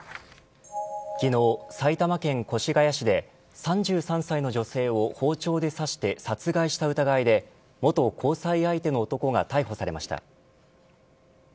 昨日、埼玉県越谷市で３３歳の女性を包丁で刺して殺害した疑いで元交際相手の男が逮捕されました。